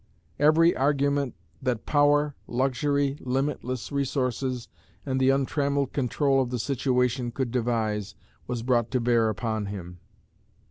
Every argument that power, luxury, limitless resources, and the untrammeled control of the situation could devise was brought to bear upon him.